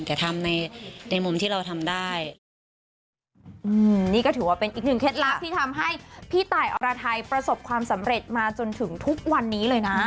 แต่ทำในมุมที่เราทำได้